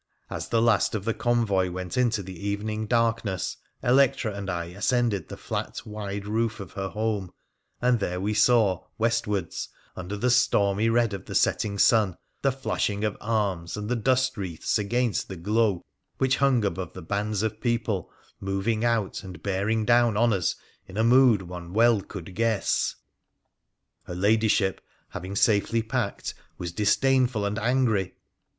As the last of the convoy went into the evening dark ness, Electra and I ascended the flat, wide roof of her home, and there we saw, westwards, under the stormy red of the setting sun, the flashing of arms and the dust wreaths against the glow which hung above the bands of people moving out and bearing down on us in a mood one well could guess. 56 WONDERFUL ADVENTURES OF Her Ladyship, having safely packed, was disdainful and angry.